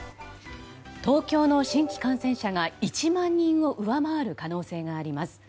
東京の新規感染者が１万人を上回る可能性があります。